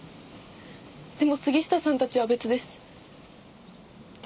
でも杉下さんたちは別です。